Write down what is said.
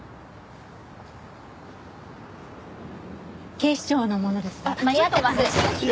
警視庁の者ですが。